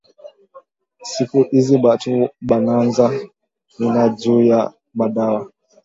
Siku izi batu bananza wina juya madawa